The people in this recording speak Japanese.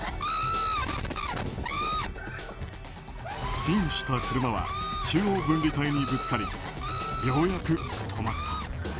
スピンした車は中央分離帯にぶつかりようやく止まった。